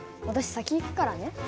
私先行くからね。